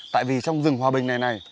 tại vì trong rừng hòa bình này này